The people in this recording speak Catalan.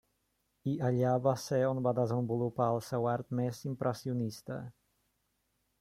I allà va ser on va desenvolupar el seu art més impressionista.